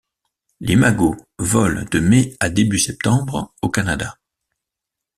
L'imago vole de mai à début septembre au Canada.